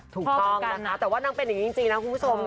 ถูกต้องนะคะแต่ว่านางเป็นอย่างนี้จริงนะคุณผู้ชม